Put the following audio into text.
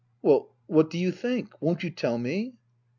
Well, what do you think ? Won't you tell me?